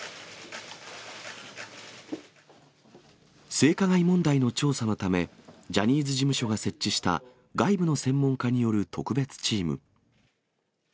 性加害問題の調査のため、ジャニーズ事務所が設置した外部の専門家による特別チーム。